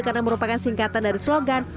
karena merupakan singkatan dari slogan